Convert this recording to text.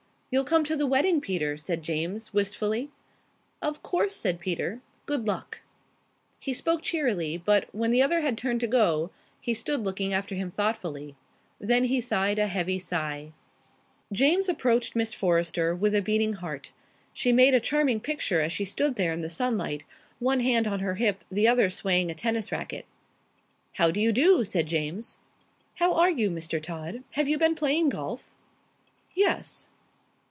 "You'll come to the wedding, Peter?" said James, wistfully. "Of course," said Peter. "Good luck." He spoke cheerily, but, when the other had turned to go, he stood looking after him thoughtfully. Then he sighed a heavy sigh. James approached Miss Forrester with a beating heart. She made a charming picture as she stood there in the sunlight, one hand on her hip, the other swaying a tennis racket. "How do you do?" said James. "How are you, Mr. Todd? Have you been playing golf?" "Yes."